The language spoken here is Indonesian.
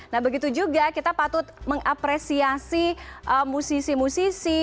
nah begitu juga kita patut mengapresiasi musisi musisi